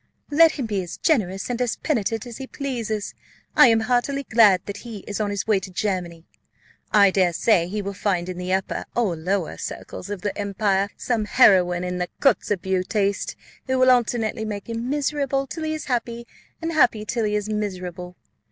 "Let him be as generous and as penitent as he pleases, I am heartily glad that he is on his way to Germany. I dare say he will find in the upper or lower circles of the empire some heroine in the Kotzebue taste, who will alternately make him miserable till he is happy, and happy till he is miserable.